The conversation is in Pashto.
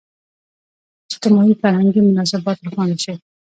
اجتماعي – فرهنګي مناسبات روښانه شي.